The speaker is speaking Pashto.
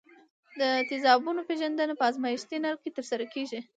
د تیزابونو پیژندنه په ازمیښتي نل کې ترسره کیږي.